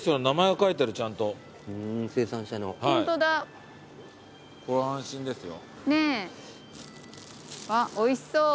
うわおいしそう。